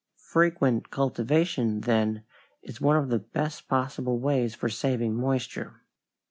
Frequent cultivation, then, is one of the best possible ways of saving moisture.